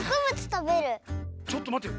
ちょっとまってよ。